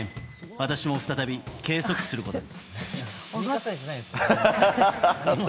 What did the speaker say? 私も再び計測することに。